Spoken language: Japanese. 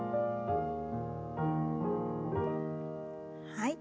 はい。